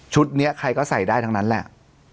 นี้ใครก็ใส่ได้ทั้งนั้นแหละ